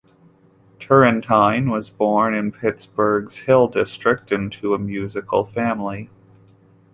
Turrentine was born in Pittsburgh's Hill District into a musical family.